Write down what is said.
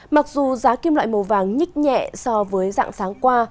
mặc dù giá kim loại màu vàng nhích nhẹ so với dạng sáng qua